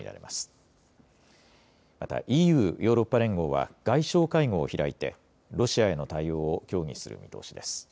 またＥＵ・ヨーロッパ連合は外相会合を開いてロシアへの対応を協議する見通しです。